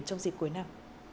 trong dịp cuối năm